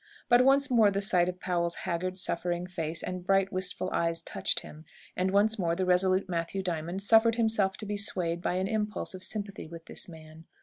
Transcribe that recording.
But once more the sight of Powell's haggard, suffering face and bright wistful eyes touched him; and once more the resolute Matthew Diamond suffered himself to be swayed by an impulse of sympathy with this man.